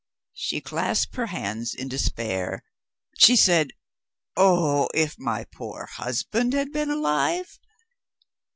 She clasped her hands in despair she said, 'Oh, if my poor husband had been alive!'